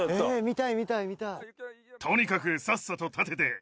見たい見たい見たい。